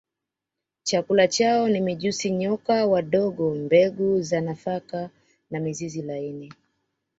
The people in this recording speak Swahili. Chakula chao ni mijusi nyoka wadogo mbegu za nafaka na mizizi laini